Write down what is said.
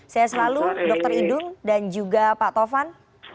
saya selalu dr idun dan juga pak tovan